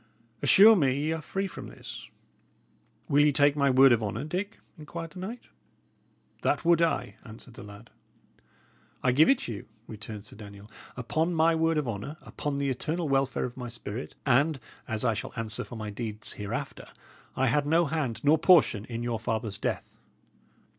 "Assure me ye are free from this." "Will ye take my word of honour, Dick?" inquired the knight. "That would I," answered the lad. "I give it you," returned Sir Daniel. "Upon my word of honour, upon the eternal welfare of my spirit, and as I shall answer for my deeds hereafter, I had no hand nor portion in your father's death."